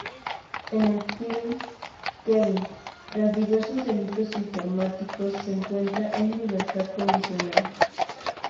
En el film, Kevin, tras diversos delitos informáticos se encuentra en libertad condicional.